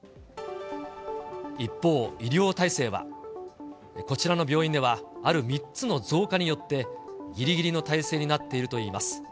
一方、医療体制は。こちらの病院では、ある３つの増加によって、ぎりぎりの体制になっているといいます。